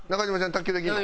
卓球できんの？